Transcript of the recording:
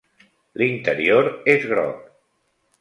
L'interior és groc.